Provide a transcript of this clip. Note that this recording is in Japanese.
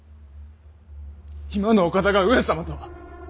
今のお方が上様とは！